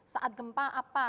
saat gempa apa